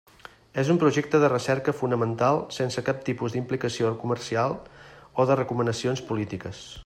És un projecte de recerca fonamental sense cap tipus d'implicació comercial o de recomanacions polítiques.